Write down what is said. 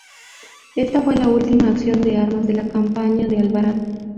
Esta fue la última acción de armas de la campaña de Alvarado.